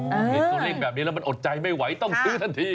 เห็นตัวเลขแบบนี้แล้วมันอดใจไม่ไหวต้องซื้อทันที